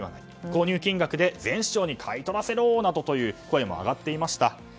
購入金額で前市長に買い取らせろなどという声も上がっていました。